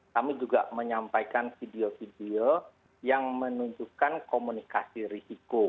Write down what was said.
kami juga menyampaikan video video yang menunjukkan komunikasi risiko